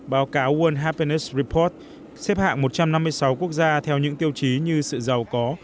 báo cáo world happenes report xếp hạng một trăm năm mươi sáu quốc gia theo những tiêu chí như sự giàu có